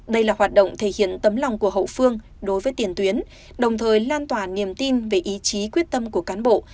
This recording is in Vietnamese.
đây là hoạt động thể hiện tấm lòng của hậu phương đối với tiền tuyến đồng thời lan tỏa niềm tin về ý chí quyết tâm của cán bộ